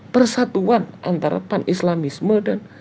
persatuan antara panislamisme dan